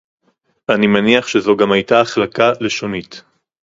אני מניח שזו גם היתה החלקה לשונית